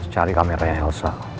cari kameranya elsa